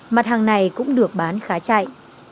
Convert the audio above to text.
mặt hàng này cũng được bán khá chạy